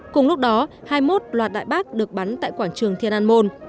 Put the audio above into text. cùng lúc đó hai mươi một loạt đại bác được bắn tại quảng trường thiên an môn